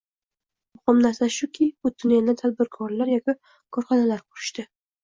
Muhim narsa shuki, bu tunnelni tadbirkorlar yoki korxonalar qurishadi.